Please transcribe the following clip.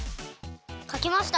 かきました。